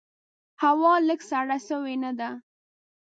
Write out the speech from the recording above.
هوا لږ سړه سوي نده؟